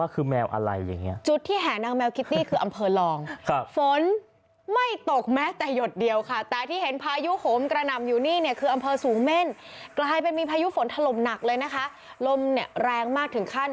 กลายเป็นมีพายุฝนถล่มหนักเลยนะคะลมเนี่ยแรงมากถึงขั้น